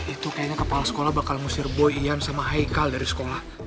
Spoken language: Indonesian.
itu kayaknya kepala sekolah bakal ngusir boyan sama haikal dari sekolah